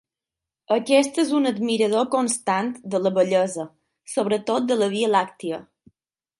Aquest és un admirador constant de la bellesa, sobretot de la Via Làctia.